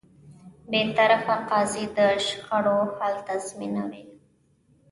بېطرفه قاضی د شخړو حل تضمینوي.